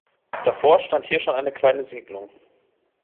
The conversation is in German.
Davor stand hier schon eine kleine Siedlung.